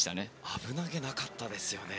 危なげなかったですよね。